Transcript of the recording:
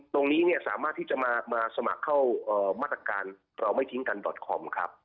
ตรงนี้เนี่ยสามารถที่จะมาสมัครเข้ามาตรการเราไม่ทิ้งกันดอตคอมครับ